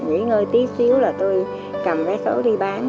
nghỉ ngơi tí xíu là tôi cầm vé số đi bán